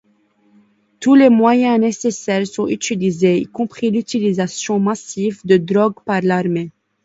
Tous les moyens nécessaires sont utilisés, y compris l’utilisation massive de drogues par l'armée.